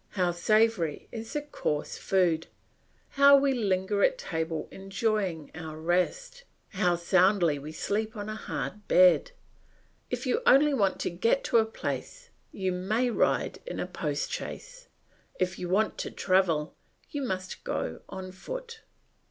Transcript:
How savoury is the coarse food! How we linger at table enjoying our rest! How soundly we sleep on a hard bed! If you only want to get to a place you may ride in a post chaise; if you want to travel you must go on foot.